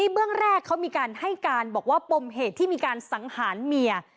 เมื่องแรกมีการให้การบ่มเหตุสังหารเมีย